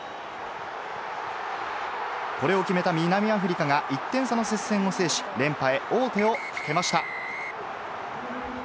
これを決めた南アフリカが１点差の接戦を制し、連覇へ王手をかけました。